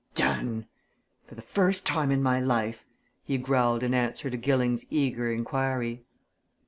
"Done! for the first time in my life!" he growled in answer to Gilling's eager inquiry.